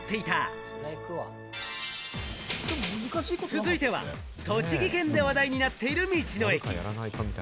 続いては栃木県で話題になっている道の駅。